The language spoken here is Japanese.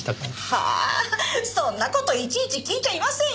はあそんな事いちいち聞いちゃいませんよ。